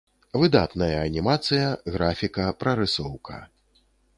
Выдатная анімацыя, графіка, прарысоўка.